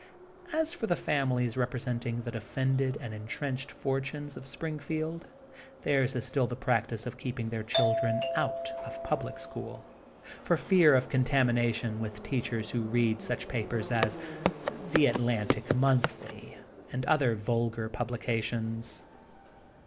As for the families representing the de fended and entrenched fortunes of Spring field, theirs is still the practice of keeping their children out of public school, for fear of contamination with teachers who read such papers as The Atlantic Monthly, and other vulgar publications.